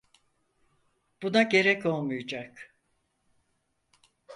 Buna gerek olmayacak.